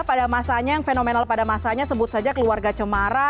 pada masanya yang fenomenal pada masanya sebut saja keluarga cemara